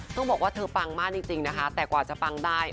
ต้องบอกว่าเธอปังมากจริงนะคะแต่กว่าจะปังได้